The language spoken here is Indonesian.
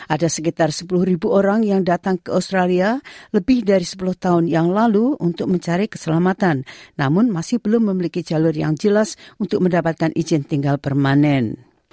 ada sekitar sepuluh orang yang datang ke australia lebih dari sepuluh tahun yang lalu untuk mencari keselamatan namun masih belum memiliki jalur yang jelas untuk mendapatkan izin tinggal permanen